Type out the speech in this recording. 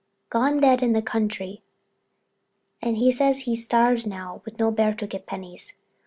"Gone dead in the country. And he says he starve now with no bear to get pennies.